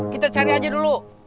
kita cari aja dulu